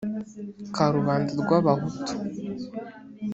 ka rubanda rw abahutu